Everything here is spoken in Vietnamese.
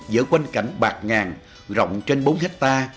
giữa quanh cảnh bạc ngàn rộng trên bốn hecta